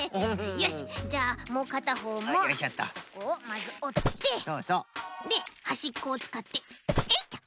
よしじゃあもうかたほうもここをまずおってではしっこをつかってえいっと。